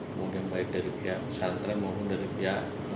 kemudian baik dari pihak pesantren maupun dari pihak